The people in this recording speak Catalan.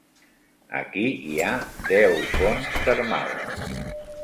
Aquí hi ha deu fonts termals.